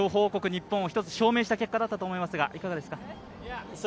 日本を一つ証明した結果になったと思うんですがいかがですか？